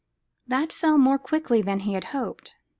That fell more quickly than he had hoped.